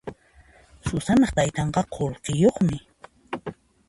Susanaq taytanqa qullqiyuqmi.